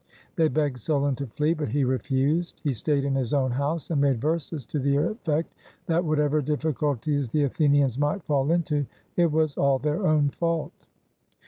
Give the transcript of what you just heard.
They begged Solon to flee; but he refused. He stayed in his own house and made verses to the ef fect that whatever difficulties the Athenians might fall into, it was all their own fault.